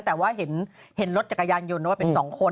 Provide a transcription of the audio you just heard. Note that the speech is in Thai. แต่ว่าเห็นรถจักรยานยนต์ว่าเป็น๒คน